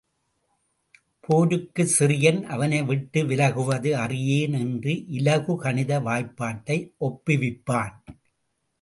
போருக்குச் சிறியன் அவனை விட்டு விலகுவது அறியேன் என்று இலகுகனித வாய் பாட்டை ஒப்புவிப்பான்.